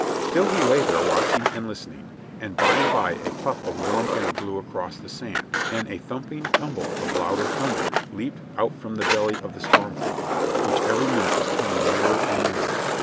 Still he lay there watching and listening, and by and by a puff of warm air blew across the sand, and a thumping tumble of louder thunder leaped from out the belly of the storm cloud, which every minute was coming nearer and nearer.